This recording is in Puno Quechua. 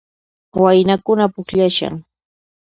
Waynakuna pukllashan